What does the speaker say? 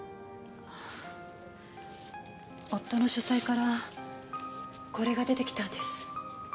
夫の書斎からこれが出てきたんです。